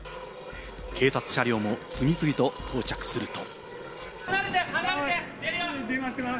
警察車両も次々と到着すると。